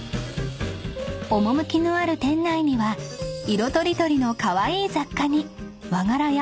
［趣のある店内には色とりどりのカワイイ］